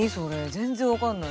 全然分かんない。